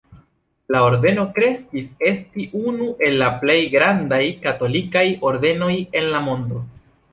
La ordeno kreskis esti unu el la plej grandaj katolikaj ordenoj en la mondo.